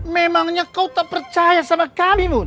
memangnya kau tak percaya sama kami mun